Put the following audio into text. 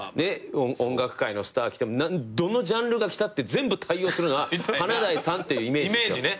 音楽界のスター来てもどのジャンルが来たって全部対応するのは華大さんっていうイメージ。